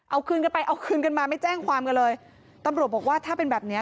เอาคืนกันไปเอาคืนกันมาไม่แจ้งความกันเลยตำรวจบอกว่าถ้าเป็นแบบเนี้ย